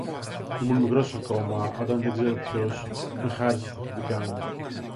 Ήμουν μικρός ακόμα, όταν, δεν ξέρω ποιος, με χάρισε στ' αφεντικά μου